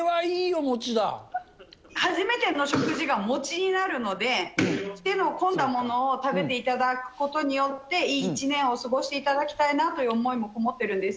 初めての食事が餅になるので、手の込んだものを食べていただくことによって、いい１年を過ごしていただきたいなという思いも込もってるんです。